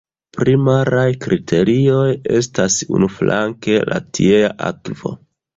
Primaraj kriterioj estas unuflanke la tiea akvo...